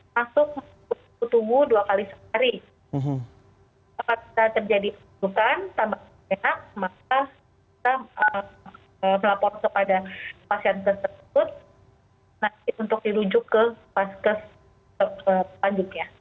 maka kita melapor kepada pasien tersebut untuk dilunjuk ke paskes selanjutnya